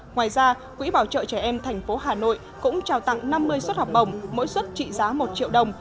ngoài ra quỹ bảo trợ trẻ em thành phố hà nội cũng trao tặng năm mươi suất học bổng mỗi suất trị giá một triệu đồng